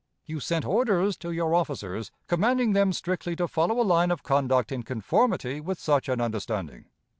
You sent orders to your officers, commanding them strictly to follow a line of conduct in conformity with such an understanding.